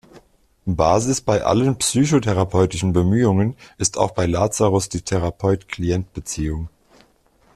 Basis bei allen psychotherapeutischen Bemühungen ist auch bei Lazarus die Therapeut-Klient-Beziehung.